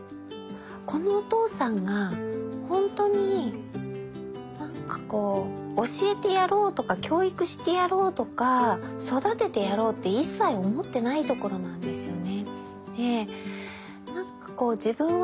このお父さんがほんとになんかこう教えてやろうとか教育してやろうとか育ててやろうって一切思ってないところなんですよね。